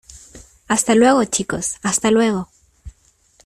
hasta luego, chicos. hasta luego .